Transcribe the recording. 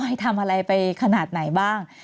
ให้ทำอะไรไปขนาดไหนบ้าง